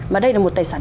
mà đây là một tài sản